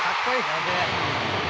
「やべえ！」